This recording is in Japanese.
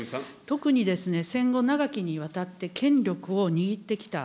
特に戦後長きにわたって、権力を握ってきた、